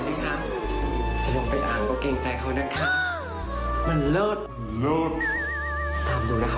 หล่ะค่ะถ้าลองไปอ่างก็เกรงใจเขาน่ะค่ะมันเลิศเลิศโอ้โหอ่าความรู้นะคะ